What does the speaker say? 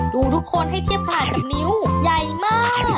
ดูทุกคนให้เทียบขาดกับนิ้วใหญ่มาก